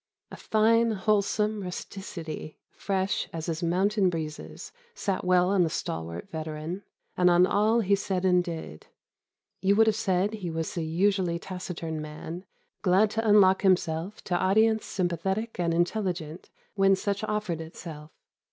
A fine wholesome rusticity, fresh as his mountain breezes, sat well on the stalwart veteran, and on all he said and did. You would have said he was a usually taciturn man; glad to unlock himself to audience sympathetic and intelligent when such offered itself.